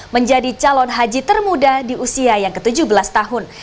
menjadi calon haji termuda di usia yang ke tujuh belas tahun